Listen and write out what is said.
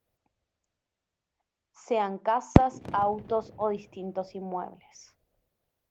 Sean casas, autos, o distintos inmuebles.